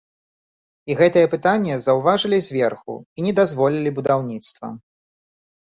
І гэтае пытанне заўважылі зверху і не дазволілі будаўніцтва.